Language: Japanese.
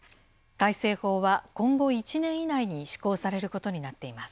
改正法は今後１年以内に施行されることになっています。